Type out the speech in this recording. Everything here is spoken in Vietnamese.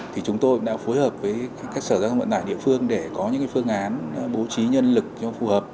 thì chúng tôi đã phối hợp với các sở giao thông vận tải địa phương để có những phương án bố trí nhân lực cho phù hợp